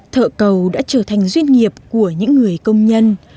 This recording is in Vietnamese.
thợ cầu đã trở thành doanh nghiệp của những người công nhân